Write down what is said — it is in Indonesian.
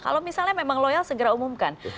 kalau misalnya memang loyal segera umumkan